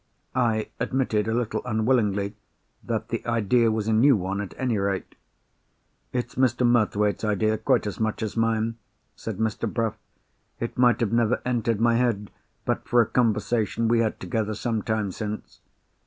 I admitted (a little unwillingly) that the idea was a new one, at any rate. "It's Mr. Murthwaite's idea quite as much as mine," said Mr. Bruff. "It might have never entered my head, but for a conversation we had together some time since.